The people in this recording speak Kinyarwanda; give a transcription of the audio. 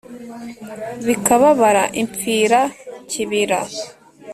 bikababara impfira-kibira,